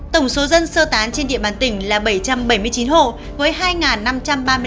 tổng số dân sơ tán trên địa bàn tỉnh là bảy trăm bảy mươi chín hộ với hai năm trăm ba mươi năm nhân khẩu